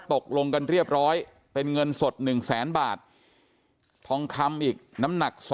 ตกลงกันเรียบร้อยเป็นเงินสด๑แสนบาททองคำอีกน้ำหนัก